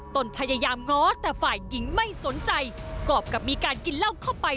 ตนพยายามง้อแต่ฝ่ายหญิงไม่สนใจกรอบกับมีการกินเหล้าเข้าไป